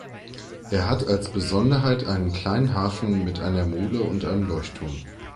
Er hat als Besonderheit einen kleinen Hafen mit einer Mole und einem Leuchtturm.